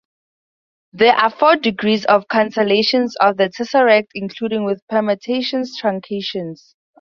There are four degrees of cantellations of the tesseract including with permutations truncations.